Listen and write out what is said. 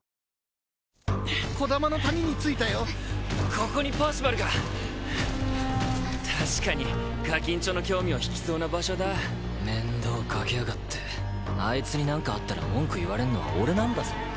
ここにパーシバルが確かにガキンチョの興味を引きそうな場所だ面倒かけやがってあいつに何かあったら文句言われんのは俺なんだぞ